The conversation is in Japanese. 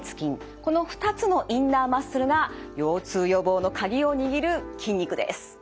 この２つのインナーマッスルが腰痛予防の鍵を握る筋肉です。